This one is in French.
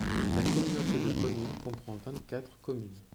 La communauté de communes comprend vingt-quatre communes.